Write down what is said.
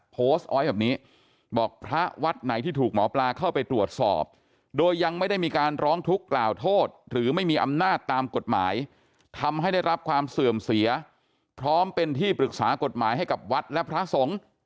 โพสต์เอาไว้แบบนี้บอกพระวัดไหนที่ถูกหมอปลาเข้าไปตรวจสอบโดยยังไม่ได้มีการร้องทุกข์กล่าวโทษหรือไม่มีอำนาจตามกฎหมายทำให้ได้รับความเสื่อมเสียพร้อมเป็นที่ปรึกษากฎหมายให้กับวัดและพระสงฆ์